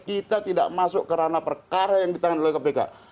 kita tidak masuk ke ranah perkara yang ditangani oleh kpk